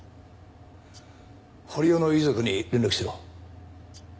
堀尾の遺族に連絡しろ。